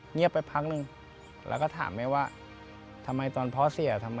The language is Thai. เงียบไปพักนึงแล้วก็ถามให้ว่าทำไมตอนนี้ก็เป็นเชื้อร้าย